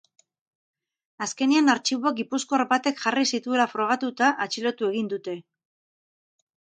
Azkenean artxiboak gipuzkoar batek jarri zituela frogatuta, atxilotu egin dute.